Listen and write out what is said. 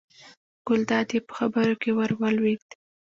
ګلداد یې په خبرو کې ور ولوېد.